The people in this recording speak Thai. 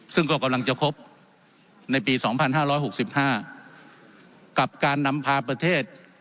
ซึ่งก็กำลังจะพบในปีสองพันห้าร้อยหกสิบห้ากับการนำพาประเทศ